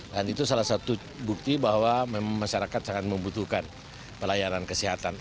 dan itu salah satu bukti bahwa memang masyarakat sangat membutuhkan pelayanan kesehatan